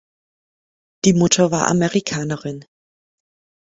Die Mutter war Amerikanerin.